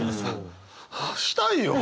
はあしたいよ。